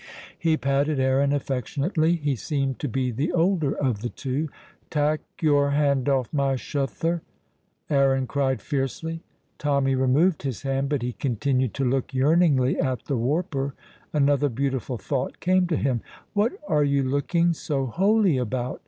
He patted Aaron affectionately; he seemed to be the older of the two. "Tak' your hand off my shuther," Aaron cried fiercely. Tommy removed his hand, but he continued to look yearningly at the warper. Another beautiful thought came to him. "What are you looking so holy about?"